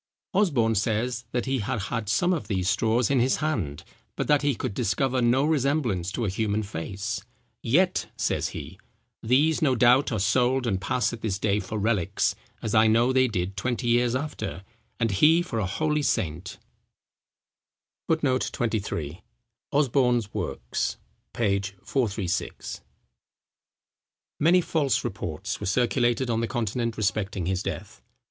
Osborne says, that he had had some of these straws in his hand; but that he could discover no resemblance to a human face; "yet," says he, "these no doubt are sold and pass at this day for relics, as I know they did twenty years after, and he for a holy saint." [Footnote 23: OSBORNE'S Works, p. 436.] Many false reports were circulated on the Continent respecting his death.